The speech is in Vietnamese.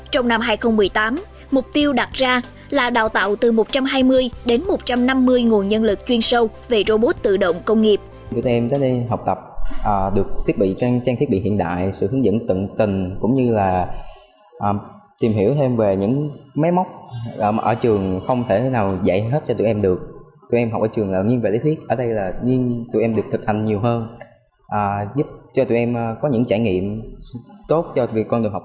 trong năm hai nghìn một mươi tám mục tiêu đặt ra là đào tạo từ một trăm hai mươi đến một trăm năm mươi nguồn nhân lực chuyên sâu về robot tự động công nghiệp